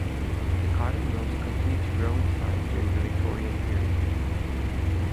The cotton mills continued to grow in size during the Victorian period.